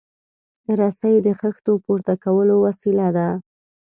رسۍ د خښتو پورته کولو وسیله ده.